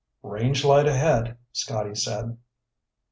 "Range light ahead," Scotty said.